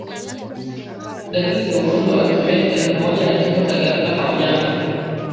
Dalili za ugonjwa wa kimeta ni pamoja na kifo cha ghafla kwa wanyama